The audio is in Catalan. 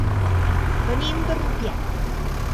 Venim de Rupià.